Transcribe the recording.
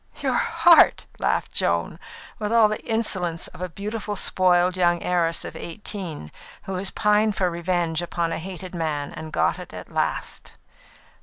"Your heart!" laughed Joan, with all the insolence of a beautiful, spoiled young heiress of eighteen, who has pined for revenge upon a hated man, and got it at last.